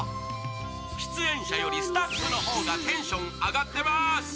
出演者よりスタッフの方がテンション上がってまーす。